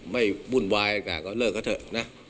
ไม่วุ่นวายด้วยอะไรก็เลิกก็เถอะนะ